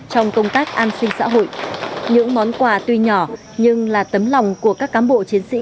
trong công tác an sinh xã hội những món quà tuy nhỏ nhưng là tấm lòng của các cám bộ chiến sĩ